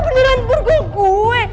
lo beneran burgo gue